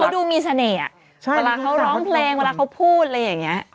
ดูมีเสน่ห์เวลาเขาร้องเพลงเวลาเขาพูดอะไรอย่างนี้